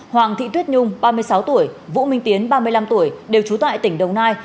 hoàng thị tuyết nhung ba mươi sáu tuổi vũ minh tiến ba mươi năm tuổi đều trú tại tỉnh đồng nai